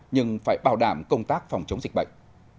nhưng phải bảo đảm công tác phòng chống dịch bệnh